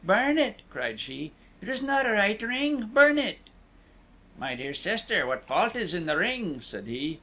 burn it!" cried she; "it is not a right ring! Burn it!" "My dear sister, what fault is in the ring?" said he.